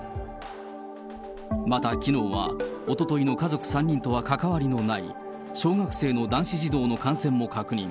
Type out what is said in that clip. またきのうは、おとといの家族３人とは関わりのない、小学生の男子児童の感染も確認。